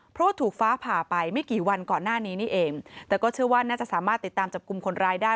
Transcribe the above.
เพราะว่าถูกฟ้าผ่าไปไม่กี่วันก่อนหน้านี้นี่เองแต่ก็เชื่อว่าน่าจะสามารถติดตามจับกลุ่มคนร้ายได้